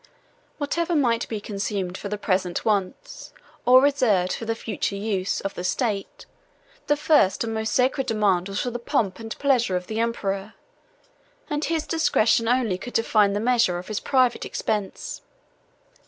] Whatever might be consumed for the present wants, or reserved for the future use, of the state, the first and most sacred demand was for the pomp and pleasure of the emperor, and his discretion only could define the measure of his private expense.